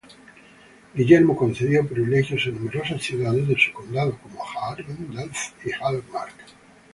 Guillermo concedió privilegios a numerosas ciudades de su condado, como Haarlem, Delft y Alkmaar.